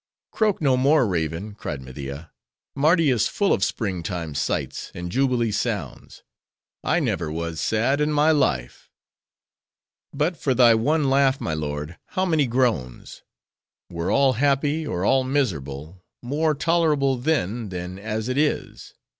"Croak no more, raven!" cried Media. "Mardi is full of spring time sights, and jubilee sounds. I never was sad in my life." "But for thy one laugh, my lord, how many groans! Were all happy, or all miserable,—more tolerable then, than as it is.